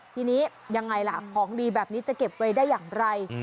ทีนี้ยังไงล่ะของดีแบบนี้จะเก็บไว้ได้อย่างไร